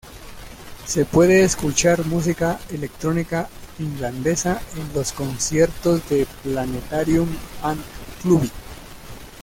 Se puede escuchar música electrónica finlandesa en los conciertos de Planetarium and Klubi.